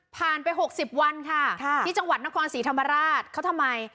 ไป๖๐วันค่ะที่จังหวัดนครศรีธรรมราชเขาทำไม